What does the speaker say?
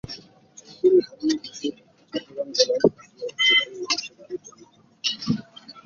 চৌধুরী হারুনুর রশীদ চট্টগ্রাম জেলার পটিয়া উপজেলার মনসা গ্রামে জন্মগ্রহণ করেন।